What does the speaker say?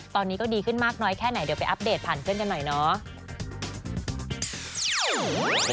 ตอนนี้ก็ดีขึ้นมากน้อยแค่ไหนเดี๋ยวไปอัปเดตผ่านเพื่อนกันหน่อยเนาะ